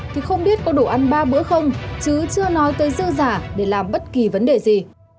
thì không biết có đủ ăn ba bữa không chứ chưa nói tới dư giả để làm bất kỳ vấn đề gì